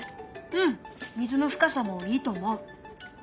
うん水の深さもいいと思う。